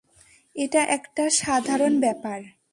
এটা একটা সাধারণ ব্যাপার।